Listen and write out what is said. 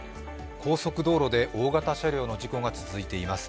高速道路で大型車両の事故が続いています。